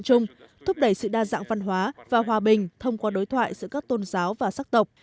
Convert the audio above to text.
chung thúc đẩy sự đa dạng văn hóa và hòa bình thông qua đối thoại giữa các tôn giáo và sắc tộc